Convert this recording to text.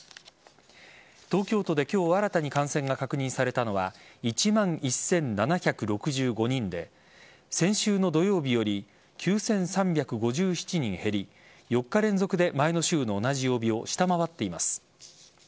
東京都で今日新たに感染が確認されたのは１万１７６５人で先週の土曜日より９３５７人減り４日連続で前の週の同じ曜日を下回っています。